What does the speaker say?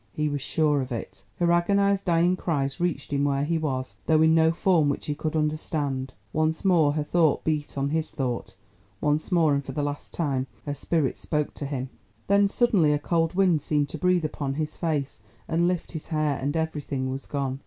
He was sure of it. Her agonised dying cries reached him where he was, though in no form which he could understand; once more her thought beat on his thought—once more and for the last time her spirit spoke to his. Then suddenly a cold wind seemed to breathe upon his face and lift his hair, and everything was gone.